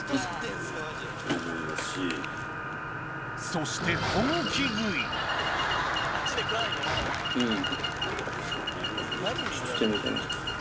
そしてうん！